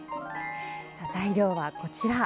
材料は、こちら。